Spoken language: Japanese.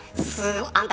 あんた